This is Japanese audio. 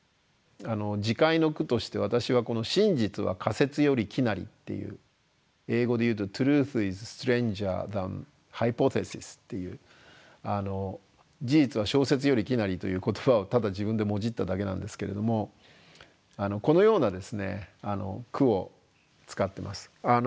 自戒の句として私は「真実は仮説より奇なり」っていう英語で言うと「Ｔｒｕｔｈｉｓｓｔｒａｎｇｅｒｔｈａｎｈｙｐｏｔｈｅｓｉｓ」っていう「事実は小説より奇なり」という言葉をただ自分でもじっただけなんですけれどもこのようなですね句を使ってます。